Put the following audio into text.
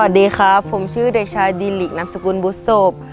สวัสดีครับผมชื่อเด็กชายดิรินามสกุลบุษบ